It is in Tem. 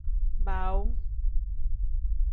Baawu.